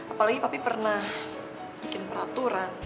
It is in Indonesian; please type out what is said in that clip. apalagi papi pernah bikin peraturan